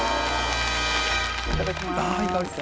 いただきます。